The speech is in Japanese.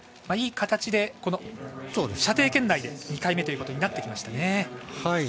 いい形で、この射程圏内で２回目ということになってきましたね。